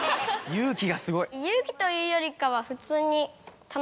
勇気というよりかは普通に。